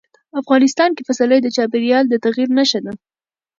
افغانستان کې پسرلی د چاپېریال د تغیر نښه ده.